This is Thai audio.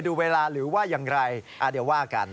ดูเวลาหรือว่าอย่างไรเดี๋ยวว่ากัน